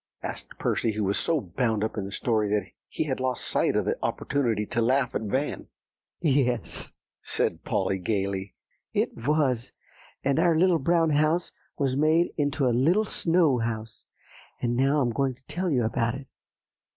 asked Percy, who was so bound up in the story he had lost sight of the opportunity to laugh at Van. "Yes," said Polly gayly, "it was, and our Little Brown House was made into a little snow house; and now I'm going to tell you about it.